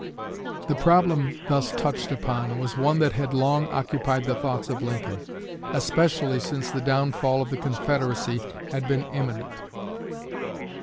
The problem thus touched upon was one that had long occupied the thoughts of Lincoln, especially since the downfall of the Confederacy had been imminent.